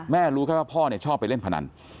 รู้แค่ว่าพ่อชอบไปเล่นพนัน